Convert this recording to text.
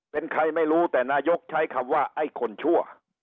เป็นใครไม่รู้แต่นายกใช้คำว่าไอ้คนชั่ว